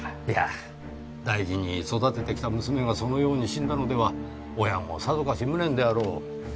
いや大事に育ててきた娘がそのように死んだのでは親もさぞかし無念であろう。